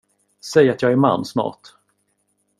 Säg att jag är man snart.